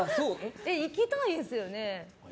行きたいですよね？